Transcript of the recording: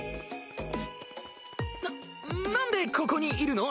ななんでここにいるの？